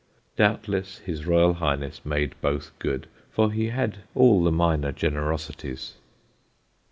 Doubtless his Royal Highness made both good, for he had all the minor generosities.